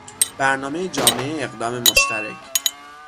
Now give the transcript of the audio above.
برنامه جامع اقدام مشترک